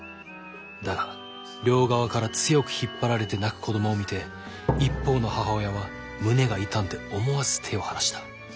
だが両側から強く引っ張られて泣く子どもを見て一方の母親は胸が痛んで思わず手を離した。